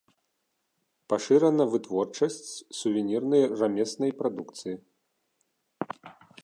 Пашырана вытворчасць сувенірнай рамеснай прадукцыі.